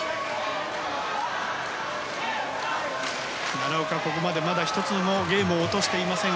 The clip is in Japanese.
奈良岡、ここまでまだ１つもゲームを落としていません。